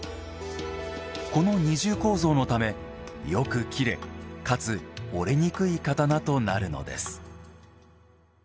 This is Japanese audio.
この二重構造のため、よく切れかつ折れにくい刀となるのです。